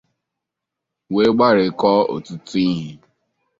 wee gbarikọọ ọtụtụ ihe.